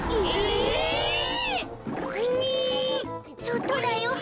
そっとだよ。